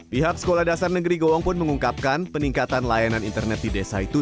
pihak sekolah dasar negeri gowong pun mengungkapkan peningkatan layanan internet di desa itu